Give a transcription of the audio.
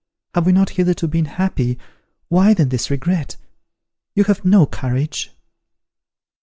Have we not hitherto been happy? Why then this regret? You have no courage."